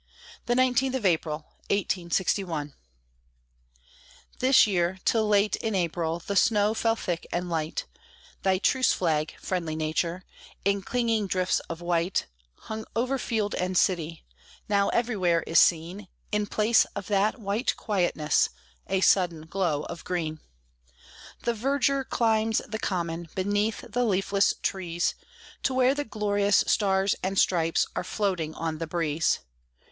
THE NINETEENTH OF APRIL This year, till late in April, the snow fell thick and light: Thy truce flag, friendly Nature, in clinging drifts of white, Hung over field and city: now everywhere is seen, In place of that white quietness, a sudden glow of green. The verdure climbs the Common, beneath the leafless trees, To where the glorious Stars and Stripes are floating on the breeze.